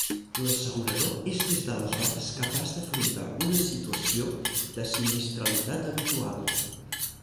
L'assegurador és des d'aleshores capaç d'afrontar una situació de sinistralitat habitual.